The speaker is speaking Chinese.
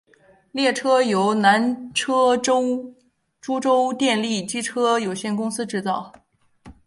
列车由南车株洲电力机车有限公司制造。